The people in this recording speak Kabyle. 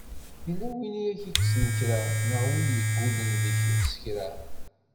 Yella win i ak-yekksen kra! Neɣ win i yeggulen deg-k s kra?